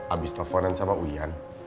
abis teleponan sama wian